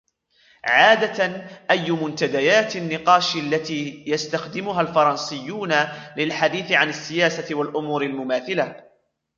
عادةً, أي منتديات النقاش التي يستخدمها الفرنسيون للحديث عن السياسة والأُمور المماثلة؟